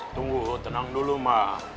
tunggu tenang dulu mah